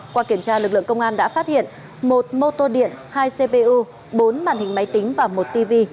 qua kiểm tra lực lượng công an đã phát hiện một mô tô điện hai cpu bốn màn hình máy tính và một tv